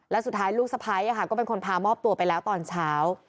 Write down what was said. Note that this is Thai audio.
แล้วสุดท้ายลูกสะพ้ายก็เป็นคนพามอบตัวไปแล้วตอนเช้า